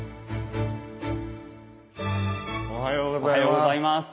おはようございます。